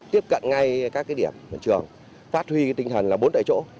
tiếp cận ngay các điểm phát huy tinh thần là bốn tại chỗ